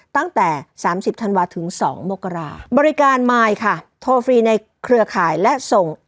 ตั้งแต่สามสิบธันวาคมถึงสองโมกราคมบริการไมค์ค่ะโทรฟรีในเครือข่ายและส่ง